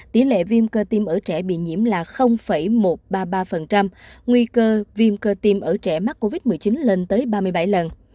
tỷ lệ viêm cơ tim ở trẻ bị nhiễm là một trăm ba mươi ba nguy cơ viêm cơ tim ở trẻ mắc covid một mươi chín lên tới ba mươi bảy lần